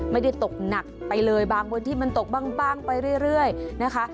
ไม่ได้ตกหนักไปเลยบางพื้นที่มันตกบ้างไปเรื่อยนะคะ